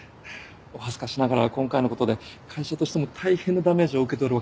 お恥ずかしながら今回のことで会社としても大変なダメージを受けておるわけなんです。